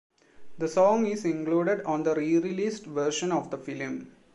The song is included on the re-released version of the film.